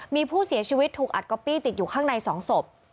มีผู้เสียชีวิตถูกอัดก๊อปปี้ติดอยู่ข้างใน๒ศพ